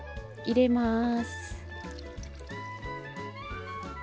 入れます。